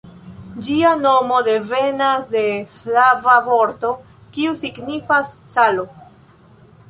Ĝia nomo devenas de slava vorto, kiu signifas "salo".